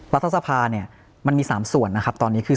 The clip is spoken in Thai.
รัฐสภาเนี่ยมันมี๓ส่วนนะครับตอนนี้คือ